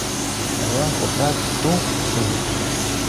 La loi porta donc son nom.